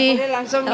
boleh langsung ya